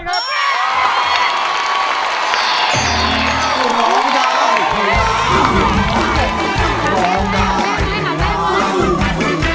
โง่ในโง่ในโง่ในโง่ใน